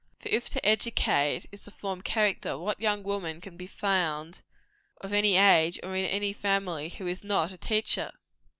For if to educate, is to form character, what young woman can be found, of any age or in any family, who is not a teacher?